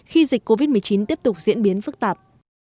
khi dịch covid một mươi chín tiếp tục diễn biến phức tạp